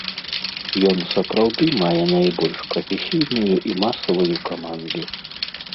Ён сапраўды мае найбольш прафесійную і масавую каманду.